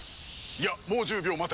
いやもう１０秒待て。